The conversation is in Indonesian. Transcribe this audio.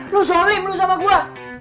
loh soim lu sama gua